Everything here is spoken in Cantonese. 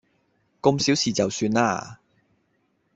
咁小事就算啦